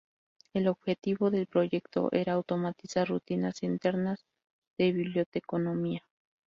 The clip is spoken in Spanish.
El objetivo del proyecto era automatizar rutinas internas de biblioteconomía.